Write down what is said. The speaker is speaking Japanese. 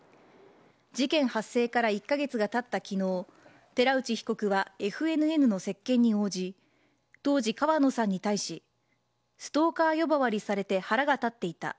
事件発生から１カ月がたった昨日寺内被告はＦＮＮの接見に応じ当時、川野さんに対しストーカー呼ばわりされて腹が立っていた。